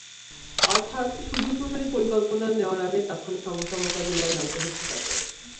অর্থাৎ সুদূরপ্রসারী পরিকল্পনা নেওয়ার আগেই তাৎক্ষণিক সমস্যা মোকাবিলায় নামতে হচ্ছে তাঁকে।